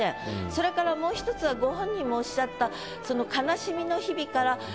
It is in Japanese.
それからもう１つはご本人もおっしゃった。